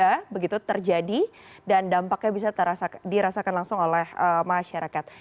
sehingga begitu terjadi dan dampaknya bisa dirasakan langsung oleh masyarakat